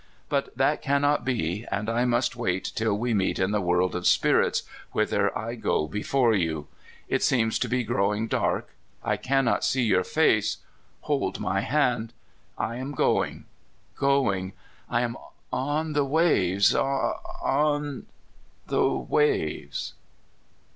But that cannot be, and I must wait till we meet in the world of spirits, whither I go before you. It seems to be growing dark. I cannot see your face hold my hand. I am going going. I am on the waves on the waves